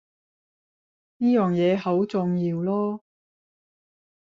呢樣嘢好重要囉